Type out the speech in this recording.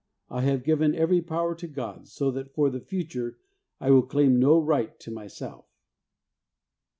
I have given every power to God, so that for the future I will claim no right to myself.